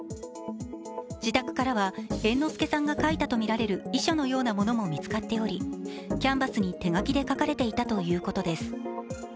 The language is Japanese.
自宅からは猿之助さんが書いたとみられる遺書のようなものも見つかっておりキャンバスに手書きで書かれていたということです。